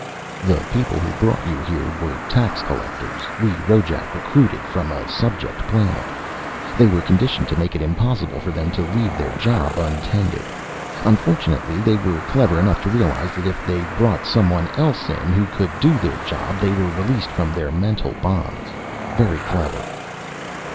"The people who brought you here were tax collectors we Rojac recruited from a subject planet. They were conditioned to make it impossible for them to leave their job untended. Unfortunately, they were clever enough to realize that if they brought someone else in who could do their job, they were released from their mental bonds. Very clever."